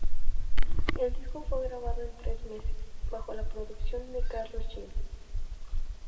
El disco fue grabado en tres meses, bajo la producción de Carlos Jean.